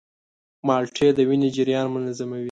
مالټې د وینې جریان منظموي.